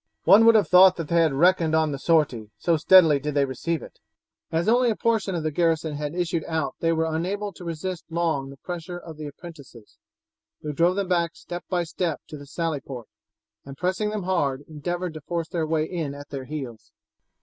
"One would have thought that they had reckoned on the sortie, so steadily did they receive it." As only a portion of the garrison had issued out they were unable to resist long the pressure of the apprentices, who drove them back step by step to the sally port, and pressing them hard endeavoured to force their way in at their heels.